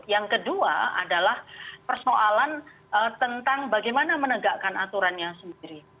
yang kedua adalah persoalan tentang bagaimana menegakkan aturannya sendiri